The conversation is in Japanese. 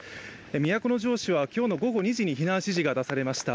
都城市は今日の午後２時に避難指示が出されました。